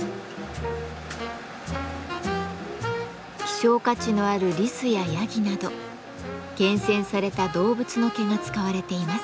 希少価値のあるリスやヤギなど厳選された動物の毛が使われています。